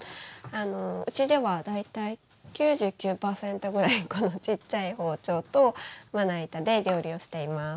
うちでは大体９９％ぐらいこのちっちゃい包丁とまな板で料理をしています。